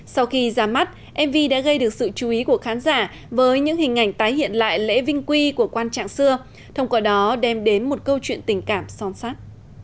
sau khi ra mắt mv đã gây được sự chú ý của khán giả với những hình ảnh tái hiện lại lễ vinh quy của quan trạng xưa thông qua đó đem đến một câu chuyện tình cảm son sát